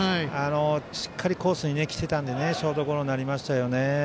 しっかりコースにきてたのでショートゴロになりましたね。